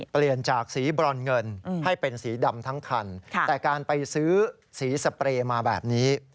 เปลี่ยนจากสีบรอนเงินให้เป็นสีดำทั้งคันแต่การไปซื้อสีสเปรย์มาแบบนี้